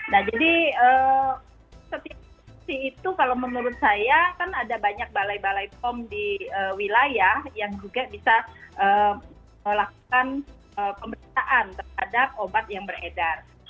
nah jadi setiap sisi itu kalau menurut saya kan ada banyak balai balai pom di wilayah yang juga bisa melakukan pemeriksaan terhadap obat yang beredar